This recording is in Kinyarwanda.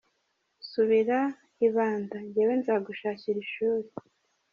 Subira i Banda, njyewe nzagushakira ishuri.